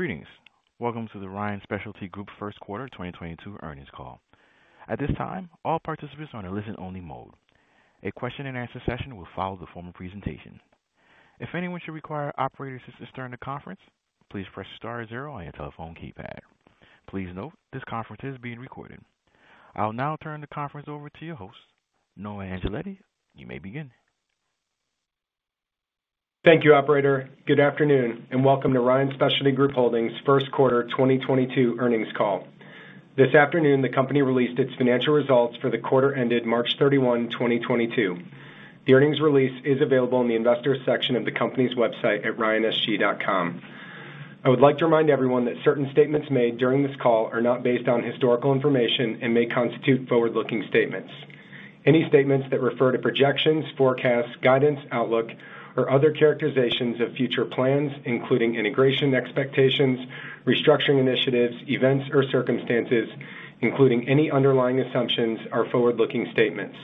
Greetings. Welcome to the Ryan Specialty Group First Quarter 2022 earnings call. At this time, all participants are in a listen only mode. A question and answer session will follow the formal presentation. If anyone should require operator assistance during the conference, please press star zero on your telephone keypad. Please note this conference is being recorded. I'll now turn the conference over to your host, Noah Angeletti. You may begin. Thank you, operator. Good afternoon and welcome to Ryan Specialty Group Holdings first quarter 2022 earnings call. This afternoon, the company released its financial results for the quarter ended March 31, 2022. The earnings release is available in the Investors section of the company's website at ryansg.com. I would like to remind everyone that certain statements made during this call are not based on historical information and may constitute forward-looking statements. Any statements that refer to projections, forecasts, guidance, outlook, or other characterizations of future plans, including integration expectations, restructuring initiatives, events or circumstances, including any underlying assumptions, are forward-looking statements.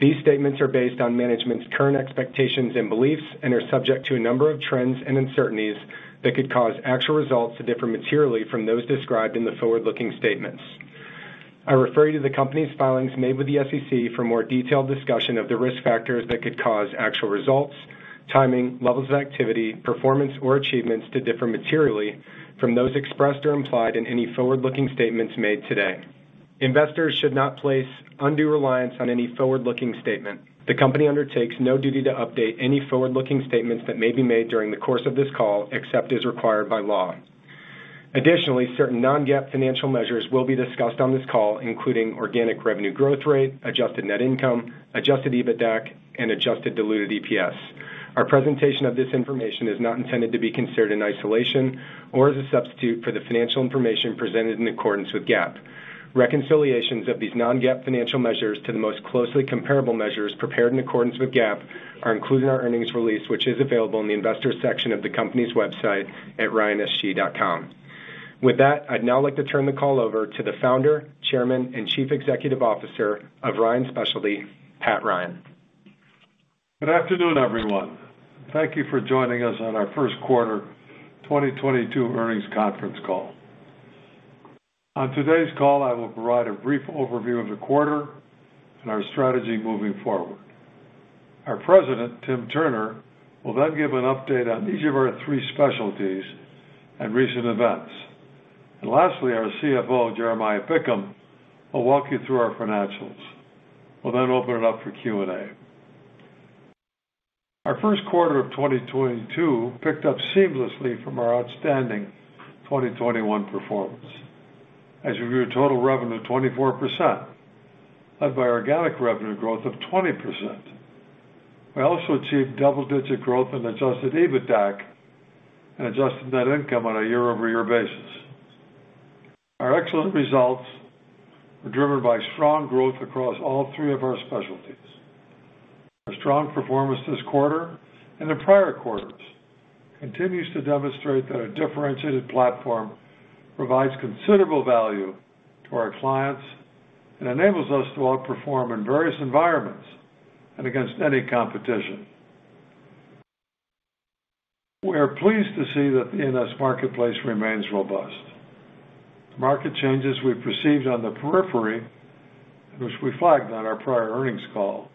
These statements are based on management's current expectations and beliefs and are subject to a number of trends and uncertainties that could cause actual results to differ materially from those described in the forward-looking statements. I refer you to the Company's filings made with the SEC for more detailed discussion of the risk factors that could cause actual results, timing, levels of activity, performance or achievements to differ materially from those expressed or implied in any forward-looking statements made today. Investors should not place undue reliance on any forward-looking statement. The Company undertakes no duty to update any forward-looking statements that may be made during the course of this call, except as required by law. Additionally, certain non-GAAP financial measures will be discussed on this call, including organic revenue growth rate, Adjusted Net Income, Adjusted EBITDAC and Adjusted Diluted EPS. Our presentation of this information is not intended to be considered in isolation or as a substitute for the financial information presented in accordance with GAAP. Reconciliations of these non-GAAP financial measures to the most closely comparable measures prepared in accordance with GAAP are included in our earnings release, which is available in the Investors section of the company's website at ryansg.com. With that, I'd now like to turn the call over to the Founder, Chairman, and Chief Executive Officer of Ryan Specialty, Pat Ryan. Good afternoon, everyone. Thank you for joining us on our first quarter 2022 earnings conference call. On today's call, I will provide a brief overview of the quarter and our strategy moving forward. Our President, Tim Turner, will then give an update on each of our three specialties and recent events. Lastly, our CFO, Jeremiah Bickham, will walk you through our financials. We'll then open it up for Q&A. Our first quarter of 2022 picked up seamlessly from our outstanding 2021 performance as we grew total revenue of 24%, led by organic revenue growth of 20%. We also achieved double-digit growth in adjusted EBITDA and adjusted net income on a year-over-year basis. Our excellent results were driven by strong growth across all three of our specialties. Our strong performance this quarter and in prior quarters continues to demonstrate that our differentiated platform provides considerable value to our clients and enables us to outperform in various environments and against any competition. We are pleased to see that the E&S marketplace remains robust. Market changes we've received on the periphery, which we flagged on our prior earnings call,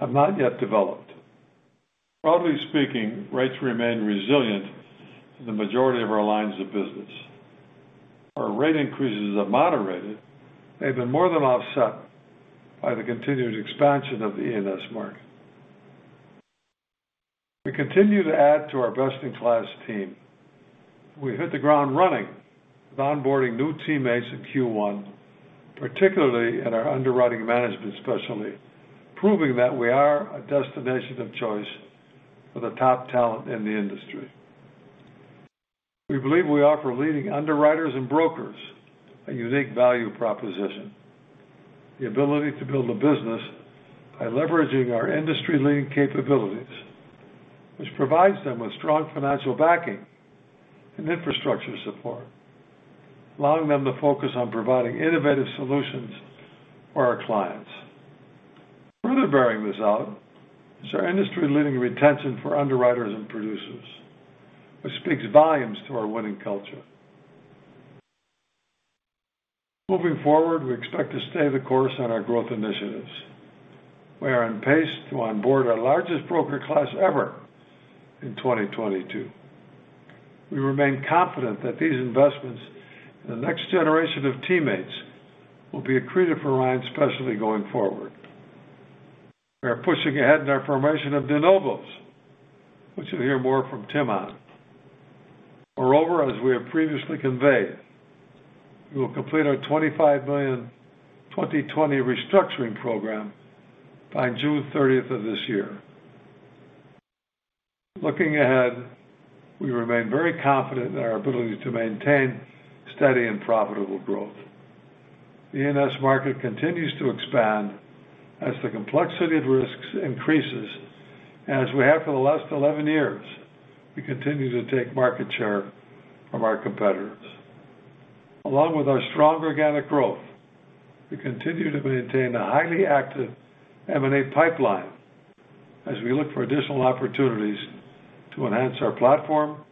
have not yet developed. Broadly speaking, rates remain resilient in the majority of our lines of business. Our rate increases have moderated. They've been more than offset by the continued expansion of the E&S market. We continue to add to our best in class team. We hit the ground running with onboarding new teammates in Q1, particularly in our underwriting management specialty, proving that we are a destination of choice for the top talent in the industry. We believe we offer leading underwriters and brokers a unique value proposition, the ability to build a business by leveraging our industry leading capabilities, which provides them with strong financial backing and infrastructure support, allowing them to focus on providing innovative solutions for our clients. Further bearing this out is our industry leading retention for underwriters and producers, which speaks volumes to our winning culture. Moving forward, we expect to stay the course on our growth initiatives. We are on pace to onboard our largest broker class ever in 2022. We remain confident that these investments in the next generation of teammates will be accretive for Ryan Specialty going forward. We are pushing ahead in our formation of de novos, which you'll hear more from Tim on. Moreover, as we have previously conveyed, we will complete our $25 million 2020 restructuring program by June 30th of this year. Looking ahead, we remain very confident in our ability to maintain steady and profitable growth. The E&S market continues to expand as the complexity of risks increases. As we have for the last 11 years, we continue to take market share from our competitors. Along with our strong organic growth, we continue to maintain a highly active M&A pipeline as we look for additional opportunities to enhance our platform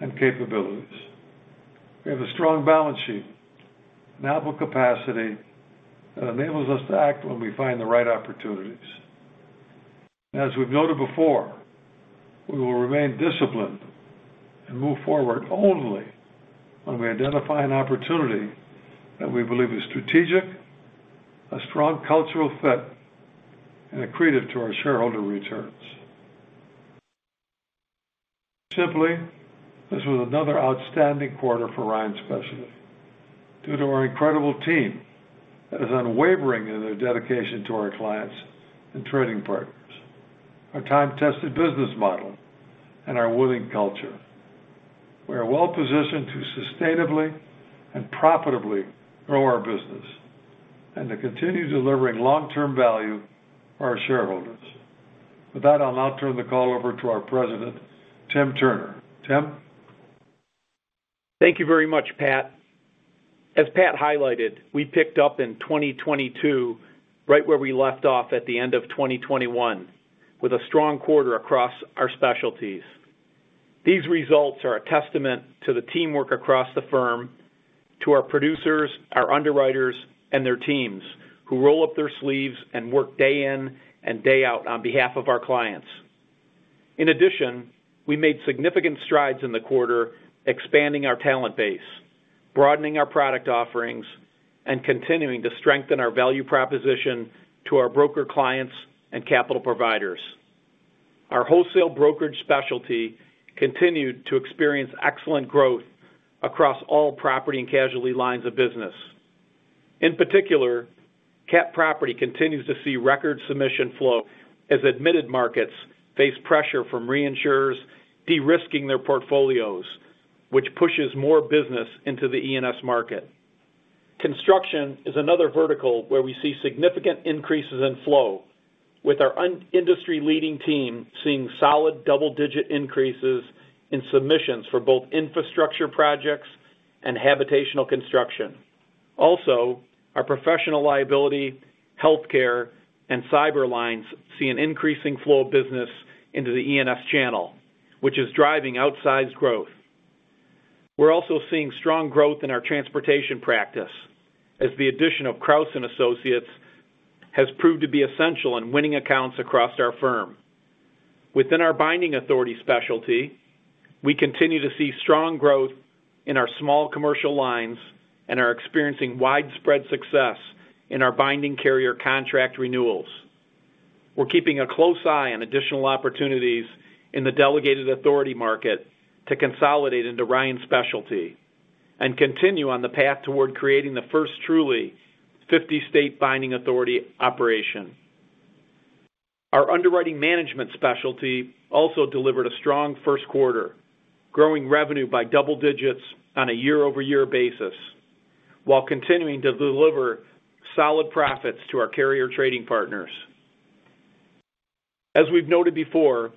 and capabilities. We have a strong balance sheet and ample capacity that enables us to act when we find the right opportunities. As we've noted before, we will remain disciplined and move forward only when we identify an opportunity that we believe is strategic, a strong cultural fit, and accretive to our shareholder returns. Simply, this was another outstanding quarter for Ryan Specialty due to our incredible team that is unwavering in their dedication to our clients and trading partners, our time-tested business model, and our winning culture. We are well-positioned to sustainably and profitably grow our business and to continue delivering long-term value to our shareholders. With that, I'll now turn the call over to our President, Tim Turner. Tim? Thank you very much, Pat. As Pat highlighted, we picked up in 2022 right where we left off at the end of 2021 with a strong quarter across our specialties. These results are a testament to the teamwork across the firm, to our producers, our underwriters, and their teams who roll up their sleeves and work day in and day out on behalf of our clients. In addition, we made significant strides in the quarter, expanding our talent base, broadening our product offerings, and continuing to strengthen our value proposition to our broker clients and capital providers. Our wholesale brokerage specialty continued to experience excellent growth across all property and casualty lines of business. In particular, CAT property continues to see record submission flow as admitted markets face pressure from reinsurers de-risking their portfolios, which pushes more business into the E&S market. Construction is another vertical where we see significant increases in flow, with our industry-leading team seeing solid double-digit increases in submissions for both infrastructure projects and habitational construction. Also, our professional liability, healthcare, and cyber lines see an increasing flow of business into the E&S channel, which is driving outsized growth. We're also seeing strong growth in our transportation practice as the addition of Crouse and Associates has proved to be essential in winning accounts across our firm. Within our binding authority specialty, we continue to see strong growth in our small commercial lines and are experiencing widespread success in our binding carrier contract renewals. We're keeping a close eye on additional opportunities in the delegated authority market to consolidate into Ryan Specialty and continue on the path toward creating the first truly 50-state binding authority operation. Our underwriting management specialty also delivered a strong first quarter, growing revenue by double digits on a year-over-year basis while continuing to deliver solid profits to our carrier trading partners. As we've noted before,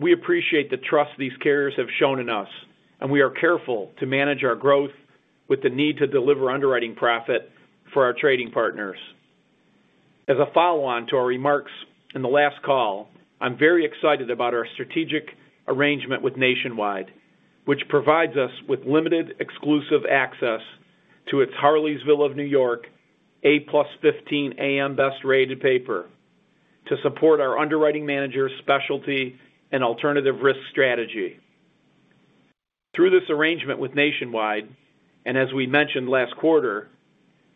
we appreciate the trust these carriers have shown in us, and we are careful to manage our growth with the need to deliver underwriting profit for our trading partners. As a follow-on to our remarks in the last call, I'm very excited about our strategic arrangement with Nationwide, which provides us with limited exclusive access to its Harleysville of New York A+ 15 AM Best-rated paper to support our underwriting manager specialty and alternative risk strategy. Through this arrangement with Nationwide, and as we mentioned last quarter,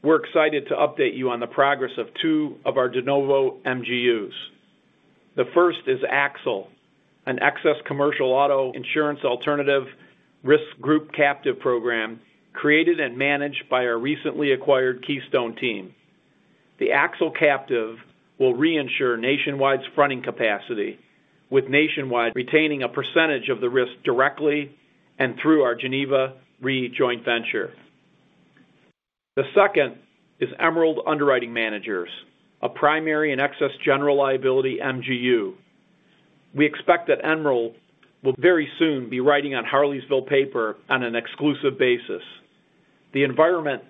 we're excited to update you on the progress of two of our de novo MGUs. The first is AXSAL Re, an excess commercial auto insurance alternative risk group captive program created and managed by our recently acquired Keystone team. The AXSAL Re captive will reinsure Nationwide's fronting capacity, with Nationwide retaining a percentage of the risk directly and through our Geneva Re joint venture. The second is Emerald Underwriting Managers, a primary and excess general liability MGU. We expect that Emerald will very soon be writing on Harleysville paper on an exclusive basis. The environment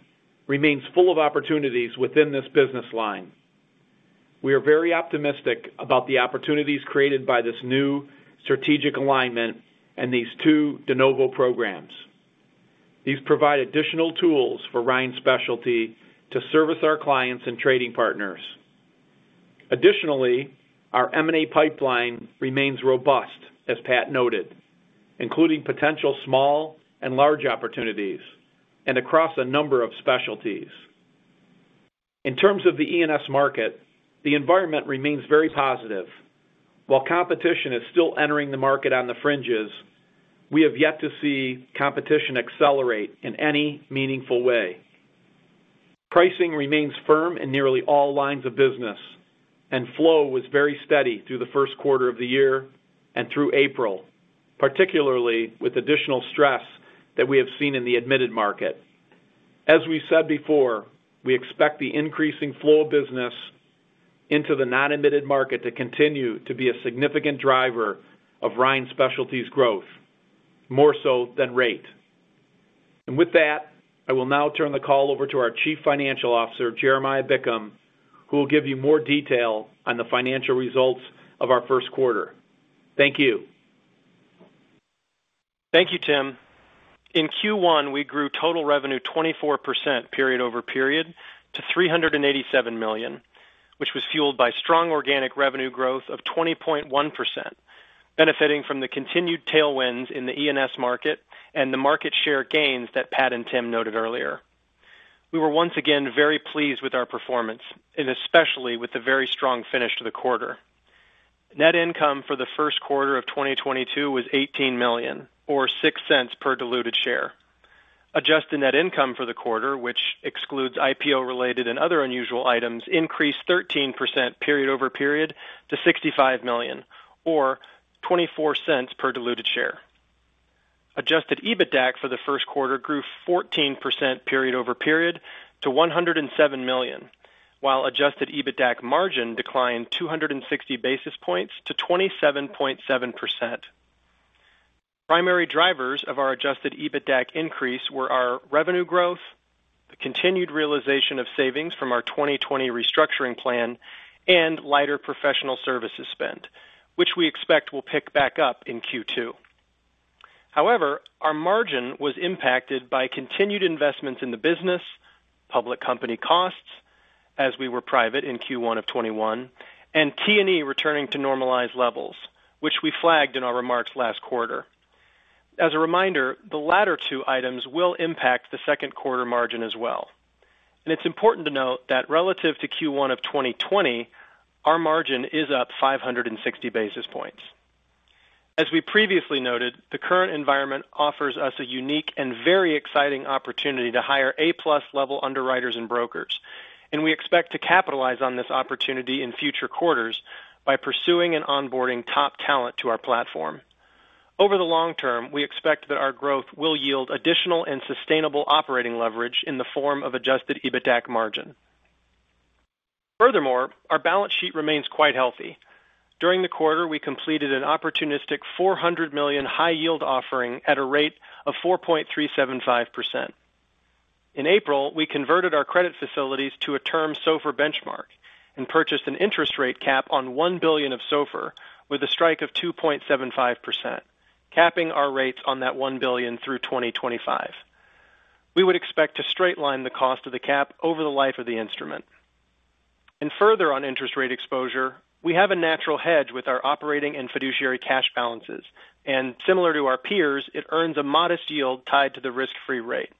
remains full of opportunities within this business line. We are very optimistic about the opportunities created by this new strategic alignment and these two de novo programs. These provide additional tools for Ryan Specialty to service our clients and trading partners. Additionally, our M&A pipeline remains robust, as Pat noted, including potential small and large opportunities and across a number of specialties. In terms of the E&S market, the environment remains very positive. While competition is still entering the market on the fringes, we have yet to see competition accelerate in any meaningful way. Pricing remains firm in nearly all lines of business, and flow was very steady through the first quarter of the year and through April, particularly with additional stress that we have seen in the admitted market. We expect the increasing flow of business into the non-admitted market to continue to be a significant driver of Ryan Specialty's growth, more so than rate. With that, I will now turn the call over to our Chief Financial Officer, Jeremiah Bickham, who will give you more detail on the financial results of our first quarter. Thank you. Thank you, Tim. In Q1, we grew total revenue 24% period over period to $387 million, which was fueled by strong organic revenue growth of 20.1%, benefiting from the continued tailwinds in the E&S market and the market share gains that Pat and Tim noted earlier. We were once again very pleased with our performance, and especially with the very strong finish to the quarter. Net income for the first quarter of 2022 was $18 million or $0.06 per diluted share. Adjusted Net Income for the quarter, which excludes IPO related and other unusual items, increased 13% period over period to $65 million or $0.24 per diluted share. Adjusted EBITDAC for the first quarter grew 14% period over period to $107 million, while Adjusted EBITDAC margin declined 260 basis points to 27.7%. Primary drivers of our adjusted EBITDAC increase were our revenue growth, the continued realization of savings from our 2020 restructuring plan, and lighter professional services spend, which we expect will pick back up in Q2. However, our margin was impacted by continued investments in the business, public company costs as we were private in Q1 of 2021, and T&E returning to normalized levels, which we flagged in our remarks last quarter. As a reminder, the latter two items will impact the second quarter margin as well. It's important to note that relative to Q1 of 2020, our margin is up 560 basis points. As we previously noted, the current environment offers us a unique and very exciting opportunity to hire A-plus level underwriters and brokers, and we expect to capitalize on this opportunity in future quarters by pursuing and onboarding top talent to our platform. Over the long term, we expect that our growth will yield additional and sustainable operating leverage in the form of Adjusted EBITDAC margin. Furthermore, our balance sheet remains quite healthy. During the quarter, we completed an opportunistic $400 million high yield offering at a rate of 4.375%. In April, we converted our credit facilities to a term SOFR benchmark and purchased an interest rate cap on $1 billion of SOFR with a strike of 2.75%, capping our rates on that $1 billion through 2025. We would expect to straight line the cost of the cap over the life of the instrument. Further on interest rate exposure, we have a natural hedge with our operating and fiduciary cash balances, and similar to our peers, it earns a modest yield tied to the risk-free rate.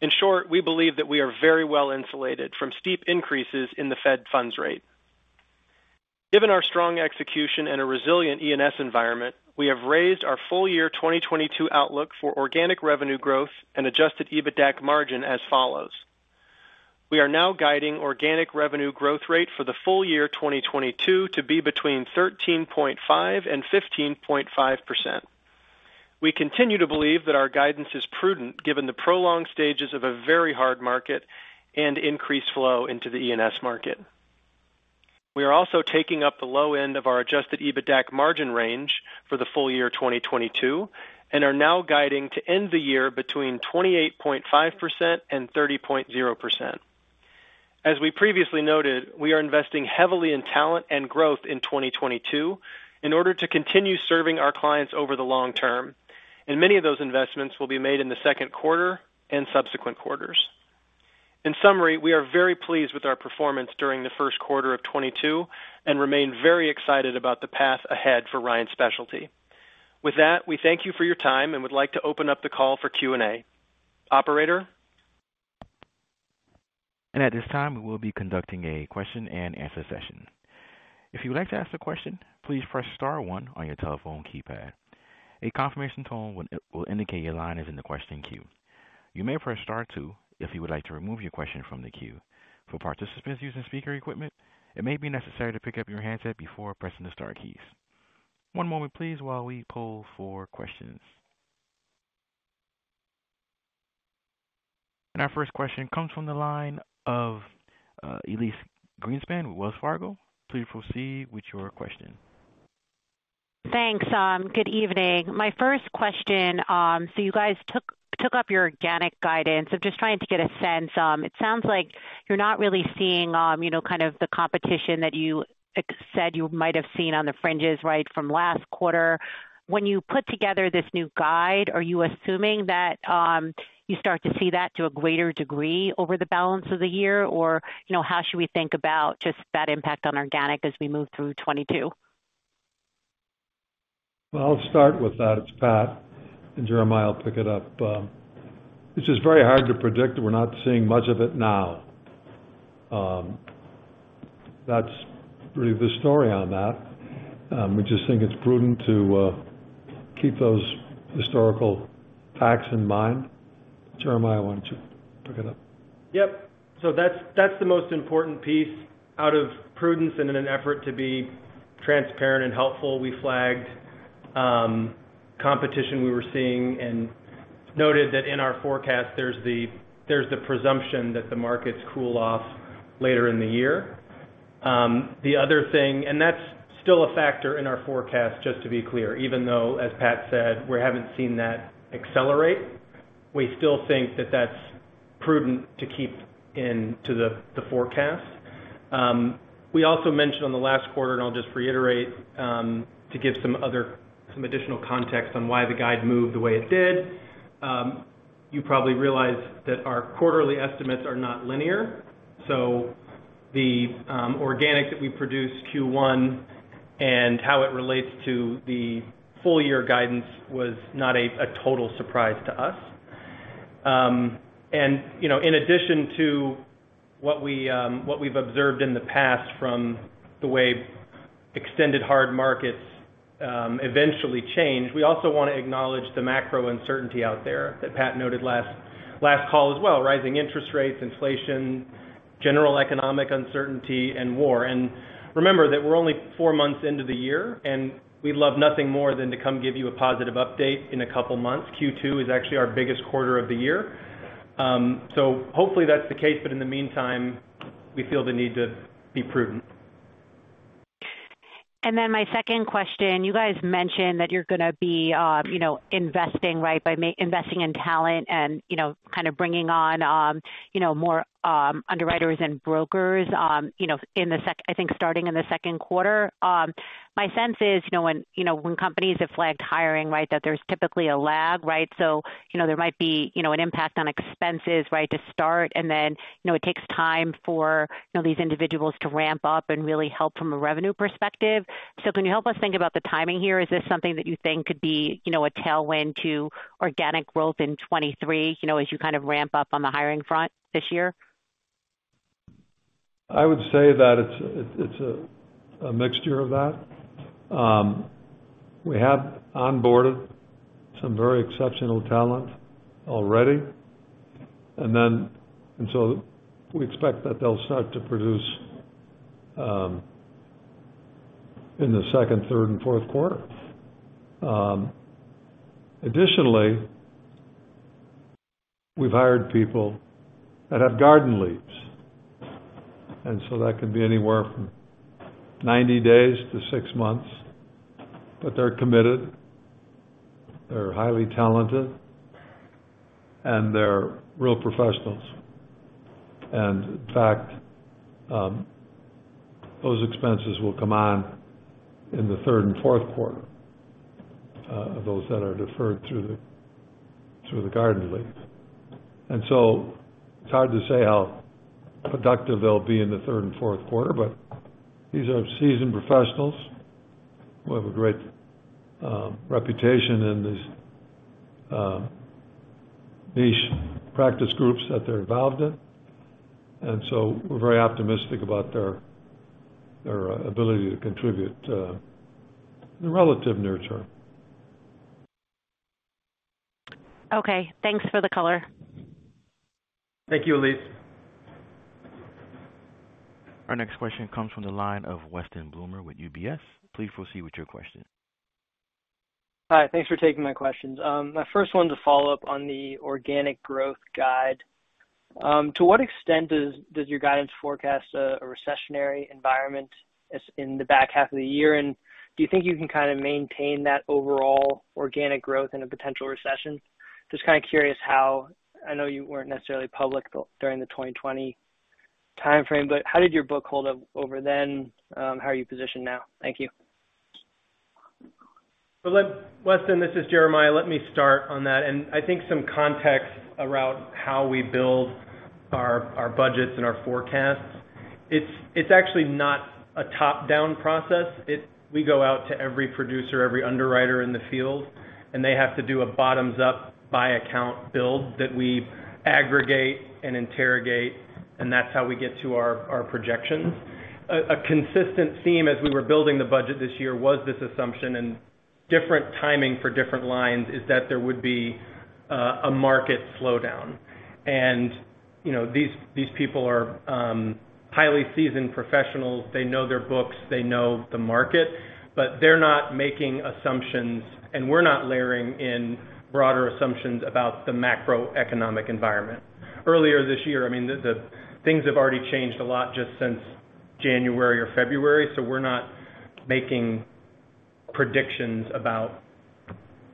In short, we believe that we are very well insulated from steep increases in the federal funds rate. Given our strong execution and a resilient E&S environment, we have raised our full-year 2022 outlook for organic revenue growth and Adjusted EBITDAC margin as follows. We are now guiding organic revenue growth rate for the full-year 2022 to be between 13.5% and 15.5%. We continue to believe that our guidance is prudent given the prolonged stages of a very hard market and increased flow into the E&S market. We are also taking up the low end of our Adjusted EBITDAC margin range for the full year 2022, and are now guiding to end the year between 28.5% and 30.0%. As we previously noted, we are investing heavily in talent and growth in 2022 in order to continue serving our clients over the long term, and many of those investments will be made in the second quarter and subsequent quarters. In summary, we are very pleased with our performance during the first quarter of 2022 and remain very excited about the path ahead for Ryan Specialty. With that, we thank you for your time and would like to open up the call for Q&A. Operator? At this time, we will be conducting a question and answer session. If you would like to ask a question, please press star one on your telephone keypad. A confirmation tone will indicate your line is in the question queue. You may press star two if you would like to remove your question from the queue. For participants using speaker equipment, it may be necessary to pick up your handset before pressing the star keys. One moment please while we poll for questions. Our first question comes from the line of Elyse Greenspan with Wells Fargo. Please proceed with your question. Thanks, good evening. My first question, so you guys took up your organic guidance. Just trying to get a sense, it sounds like you're not really seeing, you know, kind of the competition that you said you might have seen on the fringes, right from last quarter. When you put together this new guide, are you assuming that you start to see that to a greater degree over the balance of the year? Or, you know, how should we think about just that impact on organic as we move through 2022? Well, I'll start with that. It's Pat, and Jeremiah will pick it up. It's just very hard to predict. We're not seeing much of it now. That's really the story on that. We just think it's prudent to keep those historical facts in mind. Jeremiah, why don't you pick it up? Yep. That's the most important piece out of prudence and in an effort to be transparent and helpful, we flagged competition we were seeing and noted that in our forecast, there's the presumption that the markets cool off later in the year. The other thing. That's still a factor in our forecast, just to be clear. Even though, as Pat said, we haven't seen that accelerate, we still think that that's prudent to keep in the forecast. We also mentioned in the last quarter, and I'll just reiterate, to give some additional context on why the guide moved the way it did. You probably realize that our quarterly estimates are not linear, so the organic that we produced Q1 and how it relates to the full year guidance was not a total surprise to us. You know, in addition to what we've observed in the past from the way extended hard markets eventually change, we also wanna acknowledge the macro uncertainty out there that Pat noted last call as well. Rising interest rates, inflation, general economic uncertainty and war. Remember that we're only four months into the year, and we'd love nothing more than to come give you a positive update in a couple of months. Q2 is actually our biggest quarter of the year. Hopefully that's the case, but in the meantime, we feel the need to be prudent. My second question, you guys mentioned that you're gonna be investing, right, investing in talent and, you know, kind of bringing on more underwriters and brokers, you know, starting in the second quarter. My sense is, you know, when companies have flagged hiring, right, that there's typically a lag, right? There might be an impact on expenses, right, to start and then, you know, it takes time for these individuals to ramp up and really help from a revenue perspective. Can you help us think about the timing here? Is this something that you think could be a tailwind to organic growth in 2023, you know, as you kind of ramp up on the hiring front this year? I would say that it's a mixture of that. We have onboarded some very exceptional talent already. We expect that they'll start to produce in the second, third and fourth quarter. Additionally, we've hired people that have garden leave, and so that can be anywhere from 90 days to six months. They're committed, they're highly talented, and they're real professionals. In fact, those expenses will come on in the third and fourth quarter, those that are deferred through the garden leave. It's hard to say how productive they'll be in the third and fourth quarter, but these are seasoned professionals who have a great reputation in these niche practice groups that they're involved in. We're very optimistic about their ability to contribute to the relatively near term. Okay. Thanks for the color. Thank you, Elyse. Our next question comes from the line of Weston Bloomer with UBS. Please proceed with your question. Hi. Thanks for taking my questions. My first one's a follow-up on the organic growth guidance. To what extent does your guidance forecast a recessionary environment as in the back half of the year? Do you think you can kind of maintain that overall organic growth in a potential recession? Just kind of curious how I know you weren't necessarily public during the 2020 timeframe, but how did your book hold up over then? How are you positioned now? Thank you. Weston, this is Jeremiah. Let me start on that. I think some context around how we build our budgets and our forecasts. It's actually not a top-down process. We go out to every producer, every underwriter in the field, and they have to do a bottoms-up by-account build that we aggregate and interrogate, and that's how we get to our projections. A consistent theme as we were building the budget this year was this assumption, and different timing for different lines, is that there would be a market slowdown. You know, these people are highly seasoned professionals. They know their books, they know the market, but they're not making assumptions, and we're not layering in broader assumptions about the macroeconomic environment. Earlier this year, I mean, the things have already changed a lot just since January or February, so we're not making predictions about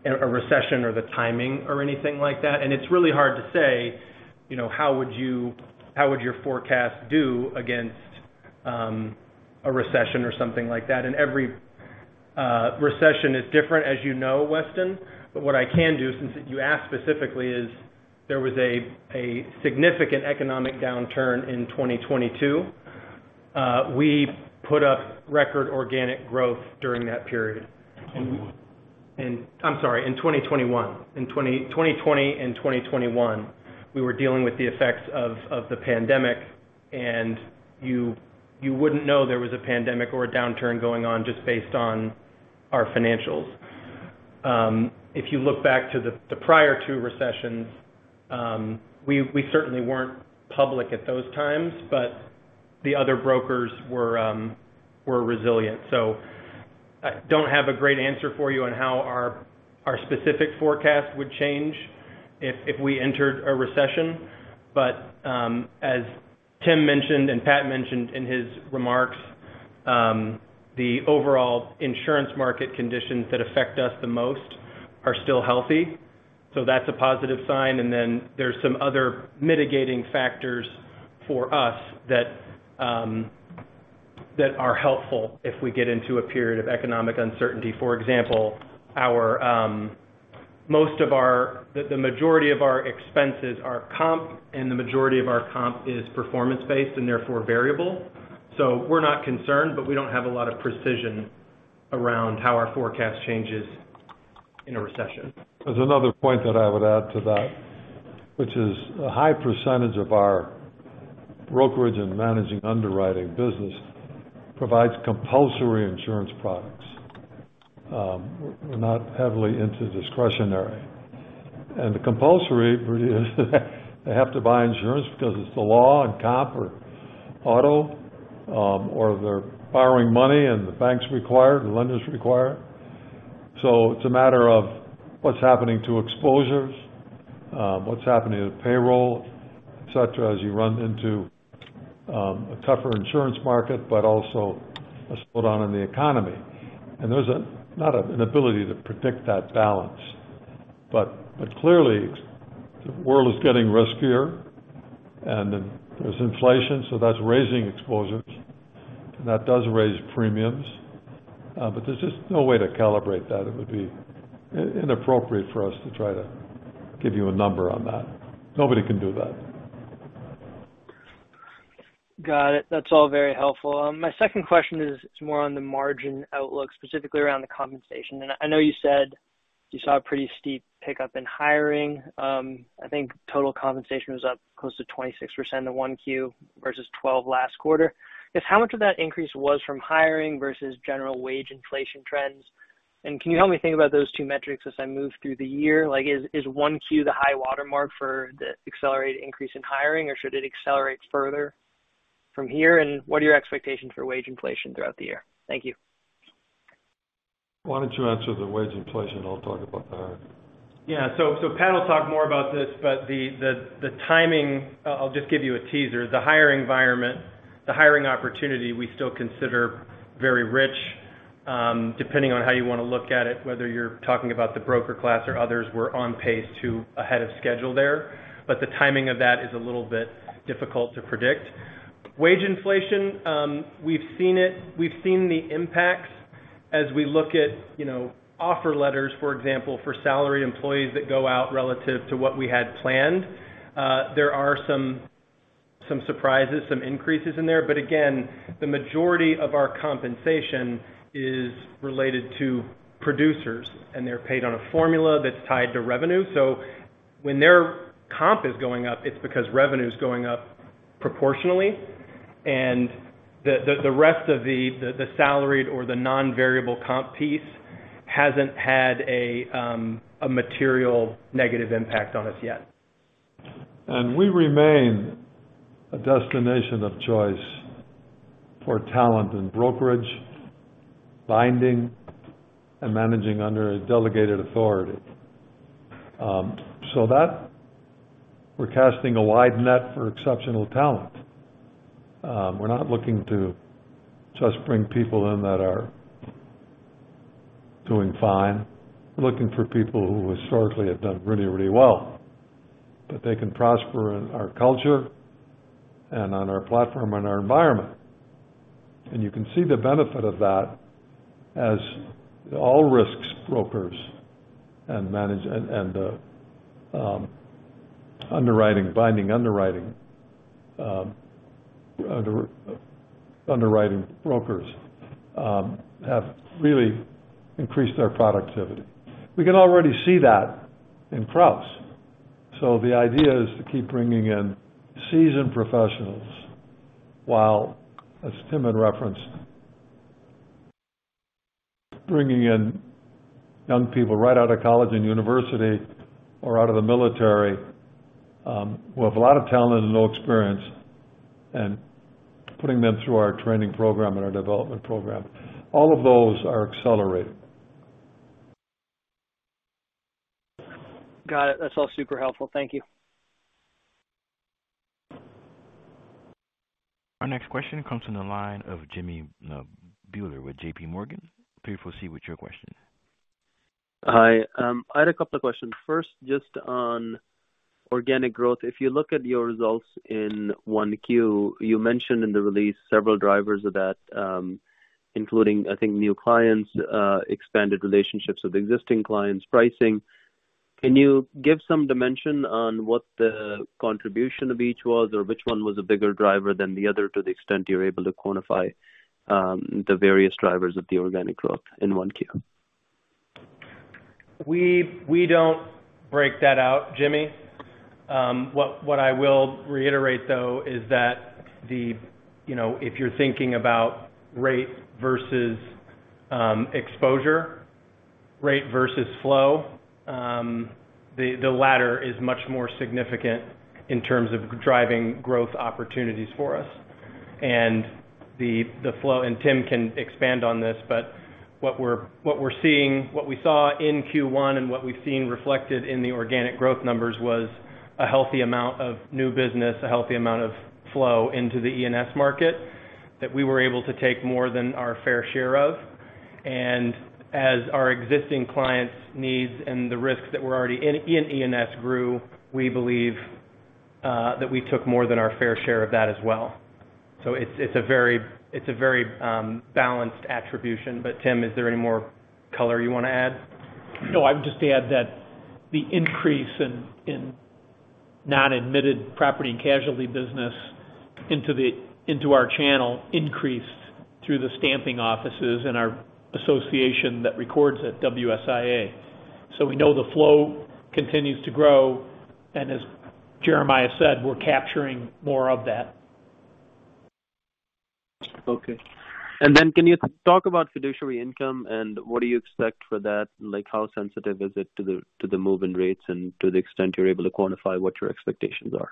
a recession or the timing or anything like that. It's really hard to say, you know, how would your forecast do against a recession or something like that. Every recession is different, as you know, Weston. What I can do, since you asked specifically, is there was a significant economic downturn in 2022. We put up record organic growth during that period. In what? I'm sorry, in 2021. In 2020 and 2021, we were dealing with the effects of the pandemic. You wouldn't know there was a pandemic or a downturn going on just based on our financials. If you look back to the prior two recessions, we certainly weren't public at those times, but the other brokers were resilient. I don't have a great answer for you on how our specific forecast would change if we entered a recession. As Tim mentioned and Pat mentioned in his remarks, the overall insurance market conditions that affect us the most are still healthy. That's a positive sign. Then there's some other mitigating factors for us that are helpful if we get into a period of economic uncertainty. For example, the majority of our expenses are comp, and the majority of our comp is performance-based and therefore variable. We're not concerned, but we don't have a lot of precision around how our forecast changes in a recession. There's another point that I would add to that, which is a high percentage of our brokerage and managing underwriting business provides compulsory insurance products. We're not heavily into discretionary. The compulsory is they have to buy insurance because it's the law in comp or auto, or they're borrowing money and the banks require it, the lenders require it. It's a matter of what's happening to exposures, what's happening to payroll, et cetera, as you run into a tougher insurance market, but also a slowdown in the economy. There's not an ability to predict that balance, but clearly the world is getting riskier and then there's inflation, so that's raising exposures and that does raise premiums. But there's just no way to calibrate that. It would be inappropriate for us to try to give you a number on that. Nobody can do that. Got it. That's all very helpful. My second question is more on the margin outlook, specifically around the compensation. I know you said you saw a pretty steep pickup in hiring. I think total compensation was up close to 26% in 1Q versus 12% last quarter. Just how much of that increase was from hiring versus general wage inflation trends? Can you help me think about those two metrics as I move through the year? Like, is 1Q the high watermark for the accelerated increase in hiring or should it accelerate further from here? What are your expectations for wage inflation throughout the year? Thank you. Why don't you answer the wage inflation? I'll talk about the hiring. Yeah. Pat will talk more about this, but the timing, I'll just give you a teaser. The hiring environment, the hiring opportunity we still consider very rich, depending on how you want to look at it, whether you're talking about the broker class or others, we're on pace to be ahead of schedule there. The timing of that is a little bit difficult to predict. Wage inflation, we've seen it. We've seen the impacts as we look at, you know, offer letters, for example, for salary employees that go out relative to what we had planned. There are some surprises, some increases in there. Again, the majority of our compensation is related to producers, and they're paid on a formula that's tied to revenue. When their comp is going up, it's because revenue is going up proportionally. The rest of the salaried or the non-variable comp piece hasn't had a material negative impact on us yet. We remain a destination of choice for talent in brokerage, binding, and managing under a delegated authority. So that we're casting a wide net for exceptional talent. We're not looking to just bring people in that are doing fine. We're looking for people who historically have done really, really well, that they can prosper in our culture and on our platform and our environment. You can see the benefit of that as All Risks brokers and underwriting, binding underwriting brokers have really increased their productivity. We can already see that in Crouse. The idea is to keep bringing in seasoned professionals while, as Tim had referenced, bringing in young people right out of college and university or out of the military, who have a lot of talent and no experience, and putting them through our training program and our development program. All of those are accelerating. Got it. That's all super helpful. Thank you. Our next question comes from the line of Jimmy Bhullar with J.P. Morgan. Please proceed with your question. Hi. I had a couple of questions. First, just on organic growth. If you look at your results in 1Q, you mentioned in the release several drivers of that, including, I think, new clients, expanded relationships with existing clients, pricing. Can you give some dimension on what the contribution of each was or which one was a bigger driver than the other to the extent you're able to quantify, the various drivers of the organic growth in 1Q? We don't break that out, Jimmy. What I will reiterate, though, is that. You know, if you're thinking about rate versus exposure rate versus flow. The latter is much more significant in terms of driving growth opportunities for us. The flow, and Tim can expand on this, but what we're seeing, what we saw in Q1 and what we've seen reflected in the organic growth numbers was a healthy amount of new business, a healthy amount of flow into the E&S market that we were able to take more than our fair share of. As our existing clients' needs and the risks that were already in E&S grew, we believe that we took more than our fair share of that as well. It's a very balanced attribution. Tim, is there any more color you wanna add? No. I would just add that the increase in non-admitted property and casualty business into our channel increased through the stamping offices and our association that records it, WSIA. We know the flow continues to grow, and as Jeremiah said, we're capturing more of that. Okay. Can you talk about fiduciary income and what do you expect for that? Like, how sensitive is it to the moving rates and to the extent you're able to quantify what your expectations are?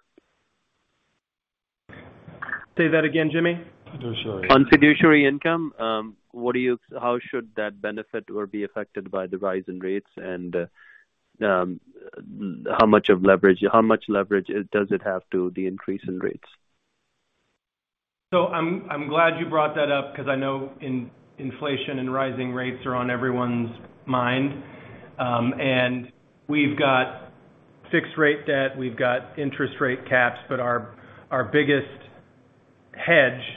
Say that again, Jimmy. Fiduciary income. On fiduciary income, how should that benefit or be affected by the rise in rates? How much leverage does it have to the increase in rates? I'm glad you brought that up because I know inflation and rising rates are on everyone's mind. We've got fixed rate debt, we've got interest rate caps, but our biggest hedge is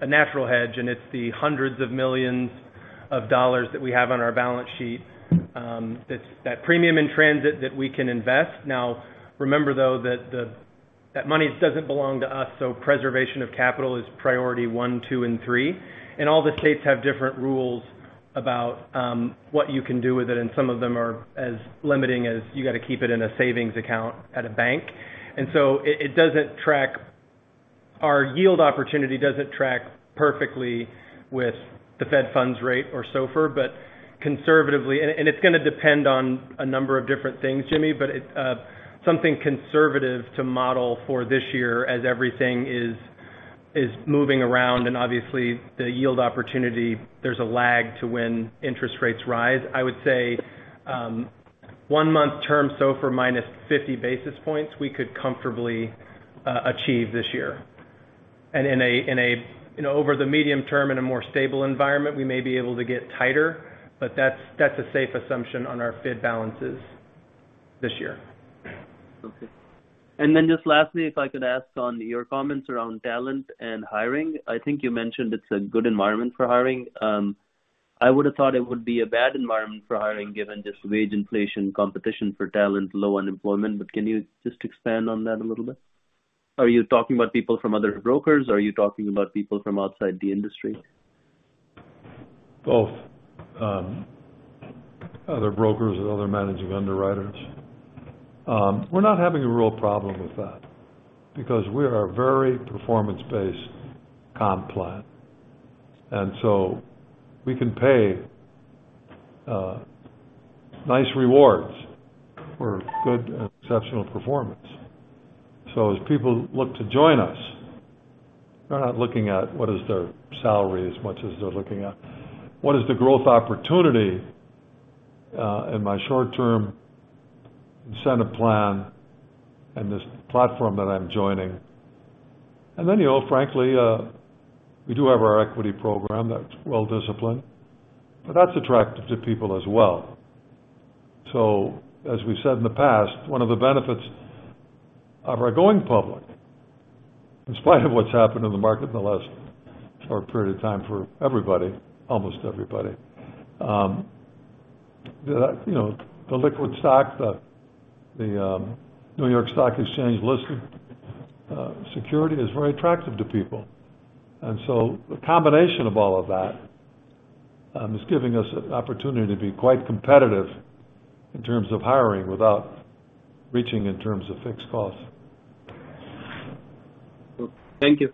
a natural hedge, and it's the $hundreds of millions that we have on our balance sheet, that's that premium in transit that we can invest. Now, remember though, that money doesn't belong to us, so preservation of capital is priority one, two, and three. All the states have different rules about what you can do with it, and some of them are as limiting as you gotta keep it in a savings account at a bank. Our yield opportunity doesn't track perfectly with the federal funds rate or SOFR, but conservatively. It's gonna depend on a number of different things, Jimmy. Something conservative to model for this year as everything is moving around, and obviously the yield opportunity, there's a lag to when interest rates rise. I would say one-month term SOFR minus 50 basis points we could comfortably achieve this year. In a, you know, over the medium term, in a more stable environment, we may be able to get tighter, but that's a safe assumption on our bid balances this year. Okay. Just lastly, if I could ask on your comments around talent and hiring. I think you mentioned it's a good environment for hiring. I would've thought it would be a bad environment for hiring given just wage inflation, competition for talent, low unemployment. Can you just expand on that a little bit? Are you talking about people from other brokers? Are you talking about people from outside the industry? Both other brokers and other managing underwriters. We're not having a real problem with that because we have a very performance-based comp plan. We can pay nice rewards for good and exceptional performance. As people look to join us, they're not looking at what is their salary as much as they're looking at what is the growth opportunity in my short-term incentive plan and this platform that I'm joining. You know, frankly, we do have our equity program that's well-disciplined, but that's attractive to people as well. As we said in the past, one of the benefits of our going public, in spite of what's happened in the market in the last short period of time for everybody, almost everybody, you know, the liquid stock, the New York Stock Exchange listing security is very attractive to people. And so the combination of all of that is giving us an opportunity to be quite competitive in terms of hiring without reaching in terms of fixed costs. Cool. Thank you.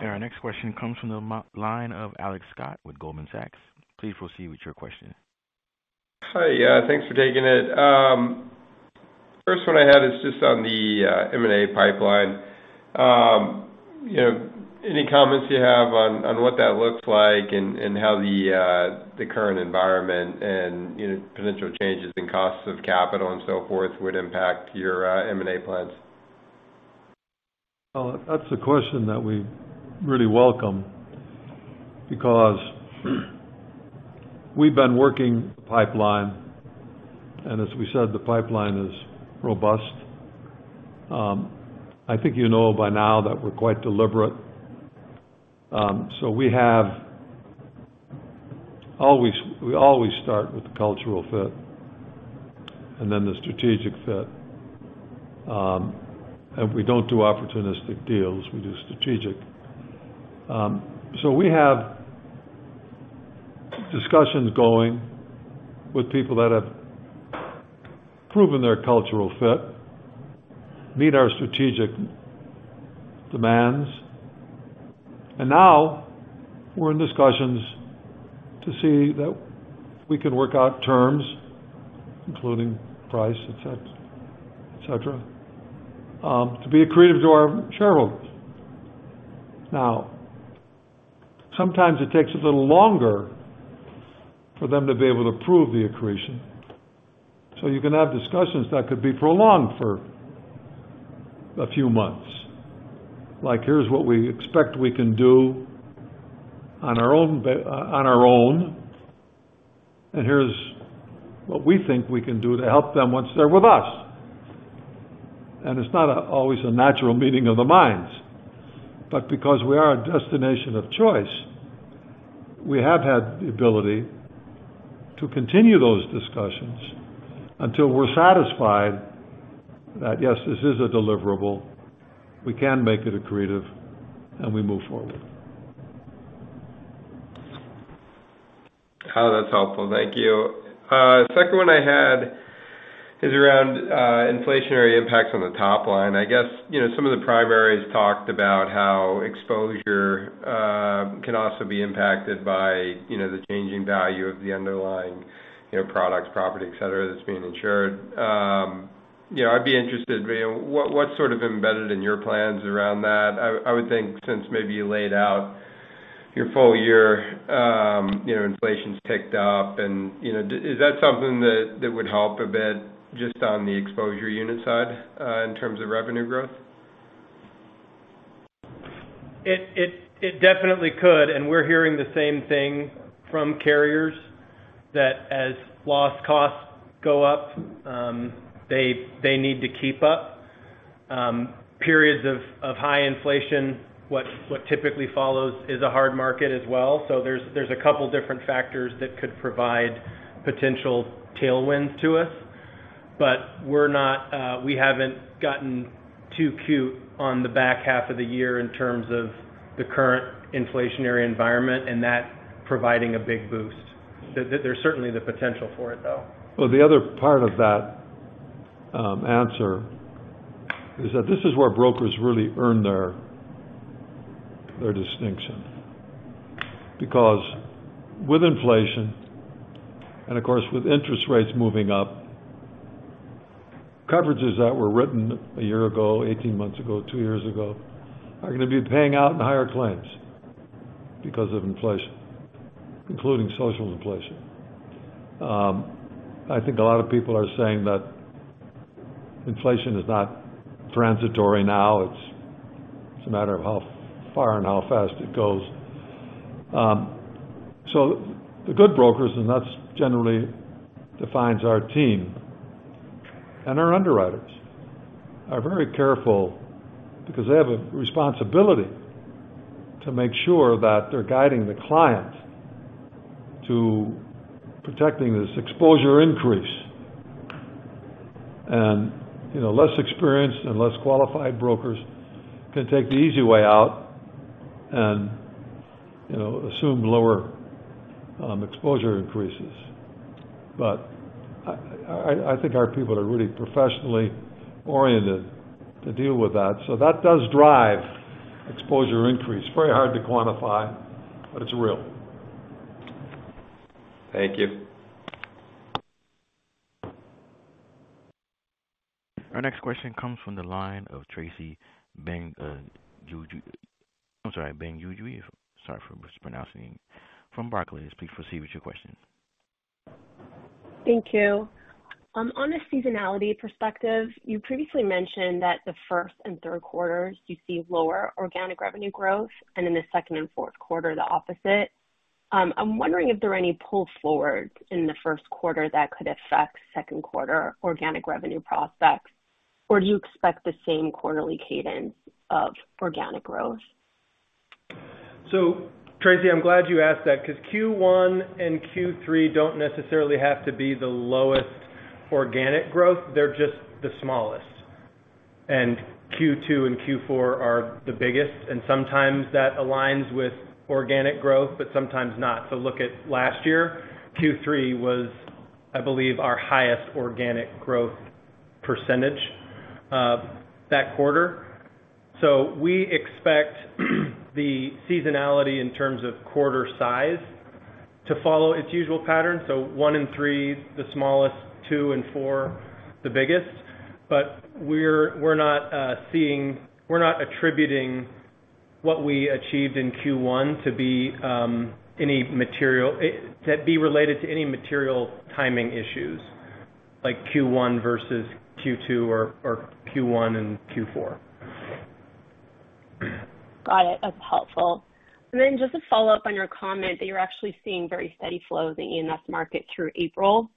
Our next question comes from the main line of Alex Scott with Goldman Sachs. Please proceed with your question. Hi. Yeah, thanks for taking it. First one I had is just on the M&A pipeline. You know, any comments you have on what that looks like and how the current environment and, you know, potential changes in costs of capital and so forth would impact your M&A plans? Well, that's a question that we really welcome because we've been working pipeline, and as we said, the pipeline is robust. I think you know by now that we're quite deliberate. We always start with the cultural fit and then the strategic fit. We don't do opportunistic deals, we do strategic. We have discussions going with people that have proven their cultural fit, meet our strategic demands, and now we're in discussions to see that we can work out terms, including price, et cetera, et cetera, to be accretive to our shareholders. Sometimes it takes a little longer for them to be able to prove the accretion. You can have discussions that could be prolonged for a few months. Like, here's what we expect we can do on our own, and here's what we think we can do to help them once they're with us. It's not always a natural meeting of the minds, but because we are a destination of choice, we have had the ability to continue those discussions until we're satisfied that, yes, this is a deliverable, we can make it accretive, and we move forward. Oh, that's helpful. Thank you. Second one I had is around inflationary impacts on the top line. I guess, you know, some of the primaries talked about how exposure can also be impacted by, you know, the changing value of the underlying, you know, products, property, et cetera, that's being insured. You know, I'd be interested, you know, what sort of embedded in your plans around that? I would think since maybe you laid out your full year, you know, inflation's ticked up and, you know, is that something that would help a bit just on the exposure unit side in terms of revenue growth? It definitely could, and we're hearing the same thing from carriers that as loss costs go up, they need to keep up. Periods of high inflation, what typically follows is a hard market as well. There's a couple different factors that could provide potential tailwinds to us. We're not, we haven't gotten too cute on the back half of the year in terms of the current inflationary environment and that providing a big boost. There's certainly the potential for it, though. Well, the other part of that answer is that this is where brokers really earn their distinction. Because with inflation, and of course, with interest rates moving up, coverages that were written one year ago, 18 months ago, two years ago, are gonna be paying out in higher claims because of inflation, including social inflation. I think a lot of people are saying that inflation is not transitory now, it's a matter of how far and how fast it goes. The good brokers, and that's generally defines our team and our underwriters, are very careful because they have a responsibility to make sure that they're guiding the client to protecting this exposure increase. You know, less experienced and less qualified brokers can take the easy way out and, you know, assume lower exposure increases. I think our people are really professionally oriented to deal with that. That does drive exposure increase. Very hard to quantify, but it's real. Thank you. Our next question comes from the line of Tracy Benguigui. I'm sorry for mispronouncing. From Barclays. Please proceed with your question. Thank you. On a seasonality perspective, you previously mentioned that the first and third quarters you see lower organic revenue growth, and in the second and fourth quarter, the opposite. I'm wondering if there are any pull forwards in the first quarter that could affect second quarter organic revenue prospects, or do you expect the same quarterly cadence of organic growth? Tracy, I'm glad you asked that because Q1 and Q3 don't necessarily have to be the lowest organic growth. They're just the smallest. Q2 and Q4 are the biggest. Sometimes that aligns with organic growth, but sometimes not. Look at last year, Q3 was, I believe, our highest organic growth percentage that quarter. We expect the seasonality in terms of quarter size to follow its usual pattern. One in three, the smallest, two and four, the biggest. We're not attributing what we achieved in Q1 to be related to any material timing issues like Q1 versus Q2 or Q1 and Q4. Got it. That's helpful. Just a follow-up on your comment that you're actually seeing very steady flow of the E&S market through April.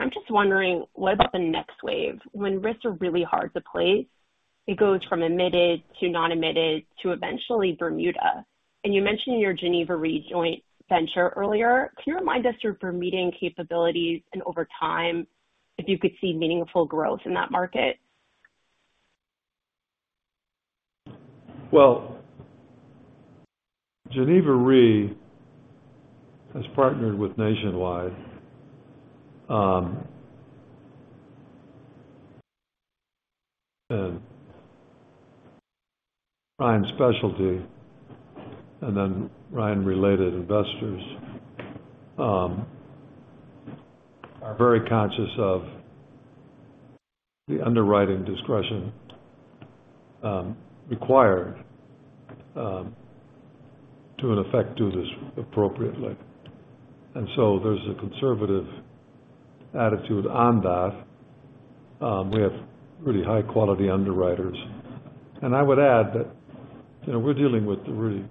I'm just wondering what about the next wave when risks are really hard to place? It goes from admitted to non-admitted to eventually Bermuda. You mentioned your Geneva Re joint venture earlier. Can you remind us your Bermudian capabilities and over time, if you could see meaningful growth in that market? Well, Geneva Re has partnered with Nationwide, and Ryan Specialty and then Ryan-related investors are very conscious of the underwriting discretion required to in effect do this appropriately. There's a conservative attitude on that. We have really high quality underwriters. I would add that, you know, we're dealing with really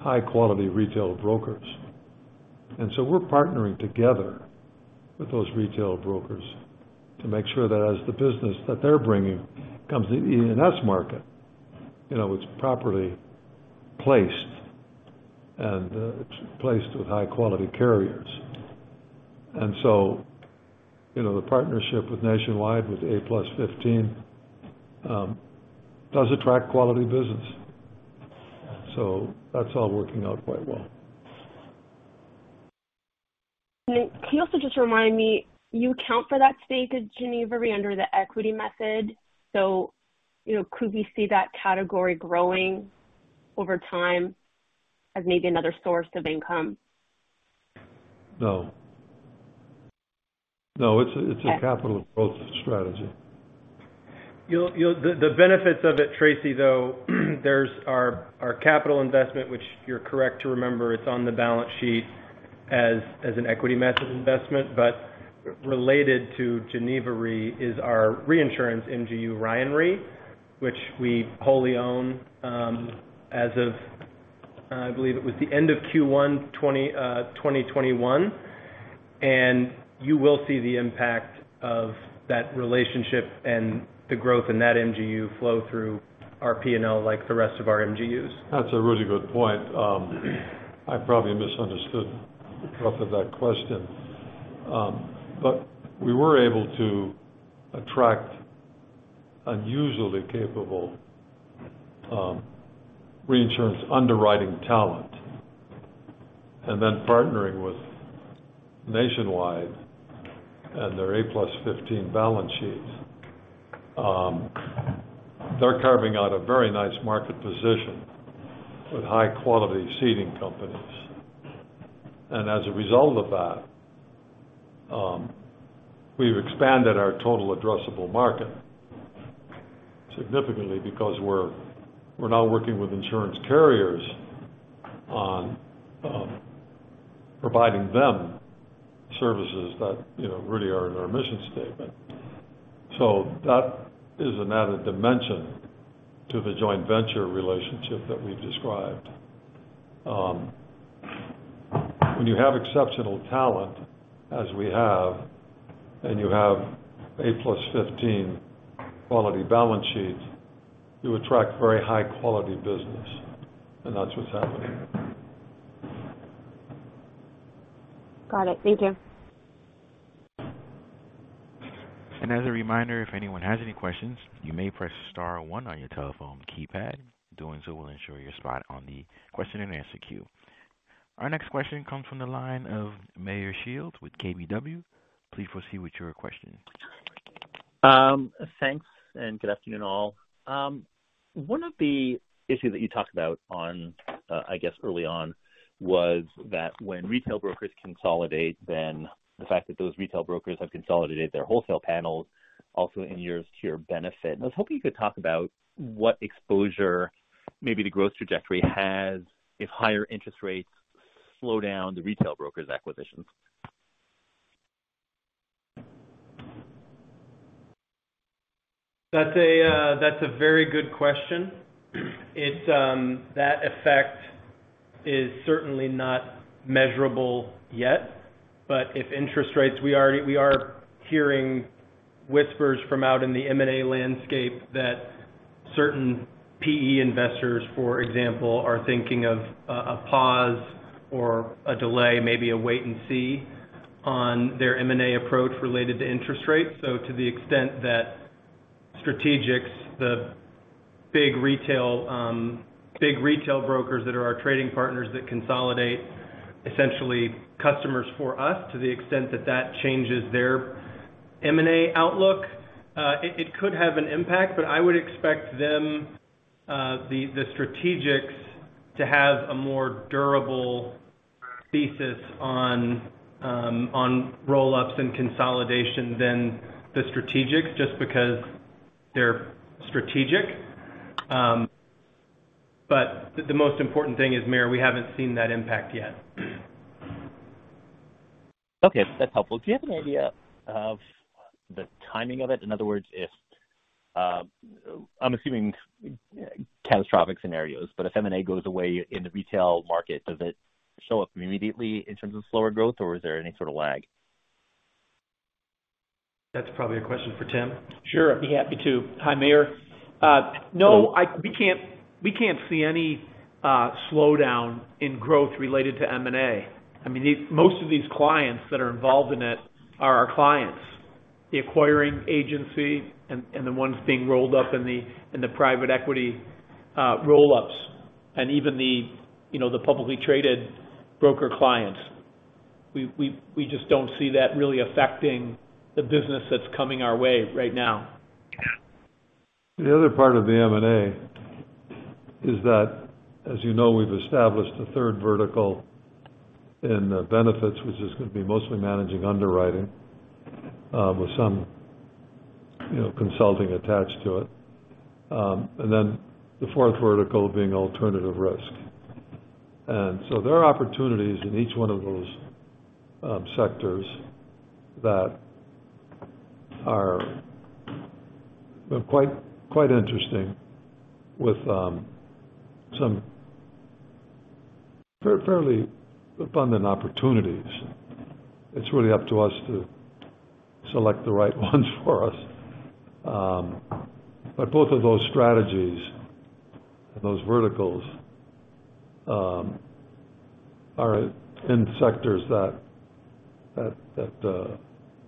high quality retail brokers. We're partnering together with those retail brokers to make sure that as the business that they're bringing comes to the E&S market, you know, it's properly placed and it's placed with high quality carriers. You know, the partnership with Nationwide with A+ 15 does attract quality business. That's all working out quite well. Can you also just remind me, you account for that stake at Geneva Re under the equity method, so, you know, could we see that category growing over time as maybe another source of income? No. No, it's a capital growth strategy. You'll the benefits of it, Tracy, though. There's our capital investment, which you're correct to remember it's on the balance sheet as an equity method investment. Related to Geneva Re is our reinsurance MGU Ryan Re, which we wholly own as of, I believe, the end of Q1 2021. You will see the impact of that relationship and the growth in that MGU flow through our P&L like the rest of our MGUs. That's a really good point. I probably misunderstood the bulk of that question. We were able to attract unusually capable, reinsurance underwriting talent. Partnering with Nationwide and their A+ 15 balance sheets, they're carving out a very nice market position with high quality ceding companies. As a result of that, we've expanded our total addressable market significantly because we're now working with insurance carriers on providing them services that, you know, really are in our mission statement. That is an added dimension to the joint venture relationship that we've described. When you have exceptional talent as we have, and you have A+ 15 quality balance sheets, you attract very high quality business, and that's what's happening. Got it. Thank you. As a reminder, if anyone has any questions, you may press star one on your telephone keypad. Doing so will ensure your spot on the question and answer queue. Our next question comes from the line of Meyer Shields with KBW. Please proceed with your question. Thanks, and good afternoon all. One of the issues that you talked about on, I guess early on, was that when retail brokers consolidate, then the fact that those retail brokers have consolidated their wholesale panels also to your benefit. I was hoping you could talk about what exposure maybe the growth trajectory has if higher interest rates slow down the retail brokers acquisitions. That's a very good question. It's that effect is certainly not measurable yet, but if interest rates, we already are hearing whispers from out in the M&A landscape that certain PE investors, for example, are thinking of a pause or a delay, maybe a wait and see on their M&A approach related to interest rates. To the extent that strategics, the big retail brokers that are our trading partners that consolidate essentially customers for us, to the extent that that changes their M&A outlook, it could have an impact, but I would expect the strategics to have a more durable thesis on roll-ups and consolidation than the strategics just because they're strategic. The most important thing is, Meyer, we haven't seen that impact yet. Okay. That's helpful. Do you have any idea of the timing of it? In other words, if I'm assuming catastrophic scenarios, but if M&A goes away in the retail market, does it show up immediately in terms of slower growth, or is there any sort of lag? That's probably a question for Tim. Sure. I'd be happy to. Hi, Meyer. No, we can't see any slowdown in growth related to M&A. I mean, most of these clients that are involved in it are our clients. The acquiring agency and the ones being rolled up in the private equity roll-ups, and even the, you know, the publicly traded broker clients. We just don't see that really affecting the business that's coming our way right now. The other part of the M&A is that, as you know, we've established a third vertical in benefits, which is gonna be mostly managing underwriting with some, you know, consulting attached to it. Then the fourth vertical being alternative risk. There are opportunities in each one of those sectors that are quite interesting with some fairly abundant opportunities. It's really up to us to select the right ones for us. Both of those strategies and those verticals are in sectors that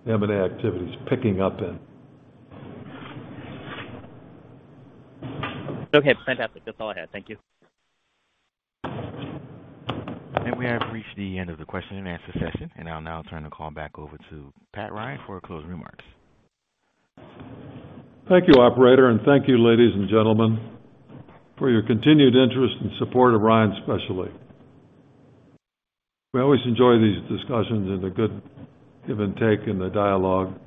M&A activity is picking up in. Okay, fantastic. That's all I had. Thank you. We have reached the end of the question-and-answer session, and I'll now turn the call back over to Pat Ryan for closing remarks. Thank you, operator, and thank you, ladies and gentlemen, for your continued interest and support of Ryan Specialty. We always enjoy these discussions and the good give and take in the dialogue.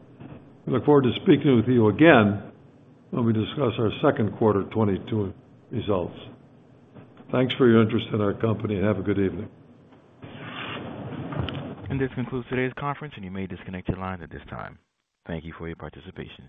We look forward to speaking with you again when we discuss our second quarter 2022 results. Thanks for your interest in our company. Have a good evening. This concludes today's conference, and you may disconnect your line at this time. Thank you for your participation.